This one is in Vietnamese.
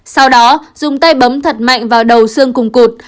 sau đó dùng tay bấm thật mạnh vào đầu xương cùng cụt